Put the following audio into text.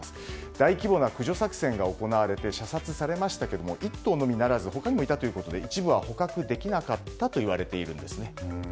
大規模な駆除作戦が行われて射殺されましたけども１頭のみならず他にもいたということで一部は捕獲できなかったといわれているんです。